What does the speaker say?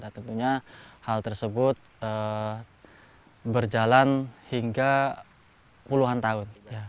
tentunya hal tersebut berjalan hingga puluhan tahun